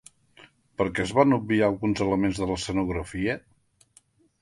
Per què es van obviar alguns elements de l'escenografia?